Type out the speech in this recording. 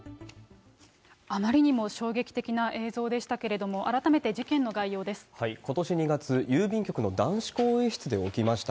あまりにも衝撃的な映像でしたけれども、改めて事件の概要でことし２月、郵便局の男子更衣室で起きました。